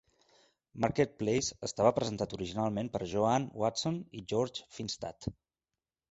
"Marketplace" estava presentat originalment per Joan Watson i George Finstad.